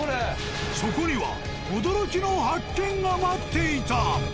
そこには驚きの発見が待っていた。